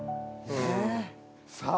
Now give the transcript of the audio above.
さあ。